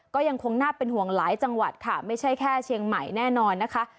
ก็ยังคงน่าเป็นห่วงหลายจังหวัดค่ะไม่ใช่แค่เชียงใหม่แน่นอนนะคะ